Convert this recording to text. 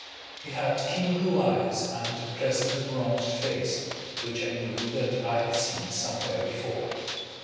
He had keen blue eyes and a pleasant bronzed face which I knew that I had seem somewhere before.